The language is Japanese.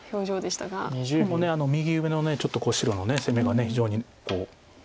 でも右上のちょっと白の攻めが非常に。